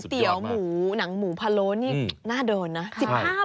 เตี๋ยวหมูหนังหมูพะโล้นี่น่าเดินนะ